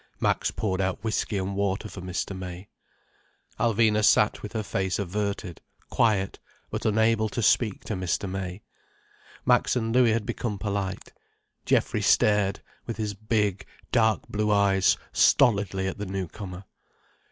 Max poured out whiskey and water for Mr. May. Alvina sat with her face averted, quiet, but unable to speak to Mr. May. Max and Louis had become polite. Geoffrey stared with his big, dark blue eyes stolidly at the newcomer.